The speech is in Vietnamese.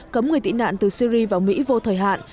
cấm người tị nạn từ syri vào mỹ vô thời hạn